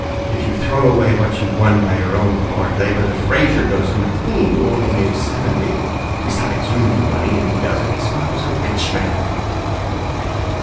If you throw away what you've won by your own hard labour, the Fraser goes to McLean, who made only seventy. Besides, you need the money and he doesn't. His father is a rich man."